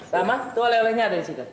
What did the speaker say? rama tuh oleh olehnya ada di situ